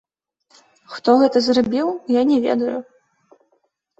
Хто гэта зрабіў, я не ведаю.